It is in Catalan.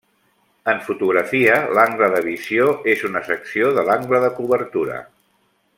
En fotografia, l'angle de visió és una secció de l'angle de cobertura.